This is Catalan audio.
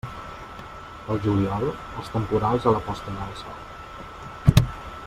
Pel juliol, els temporals a la posta del sol.